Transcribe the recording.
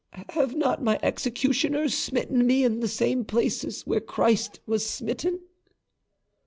Have not my executioners smitten me in the same places where Christ was smitten?"